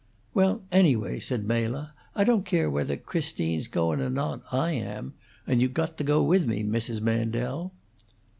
"Well, anyway," said Mela, "I don't care whether Christine's goon' or not; I am. And you got to go with me, Mrs. Mandel."